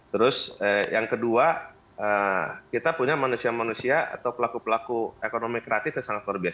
terus yang kedua kita punya manusia manusia atau pelaku pelaku ekonomi kreatif yang sangat luar biasa